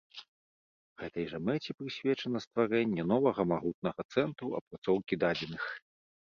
Гэтай жа мэце прысвечана стварэнне новага магутнага цэнтру апрацоўкі дадзеных.